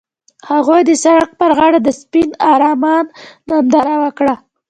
هغوی د سړک پر غاړه د سپین آرمان ننداره وکړه.